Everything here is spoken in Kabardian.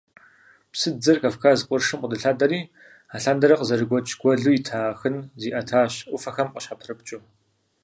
Псыдзэр Кавказ къуршым къилъадэри, алъандэрэ къызэрыгуэкӀ гуэлу ита Ахын зиӀэтащ, Ӏуфэхэм къыщхьэпрыпкӀыу.